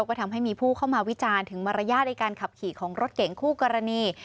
ก็ทำให้มีผู้เข้ามาวิจารณ์ถึงมารยาทในการขับขี่ของรถเก่งคู่กรณี